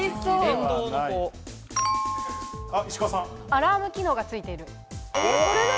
アラーム機能がついている。